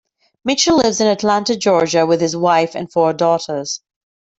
Mitchell lives in Atlanta, Georgia with his wife and four daughters.